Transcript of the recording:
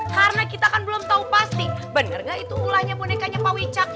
karena kita kan belum tahu pasti benar gak itu ulahnya bonekanya pak wicak